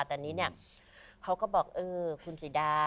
แต่นี้เนี่ยเขาก็บอกเออคุณสีดา